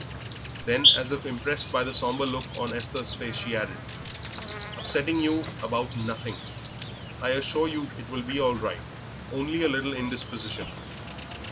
Then, as if impressed by the sombre look on Esther's face, she added: "Upsetting you about nothing. I assure you it will be all right; only a little indisposition."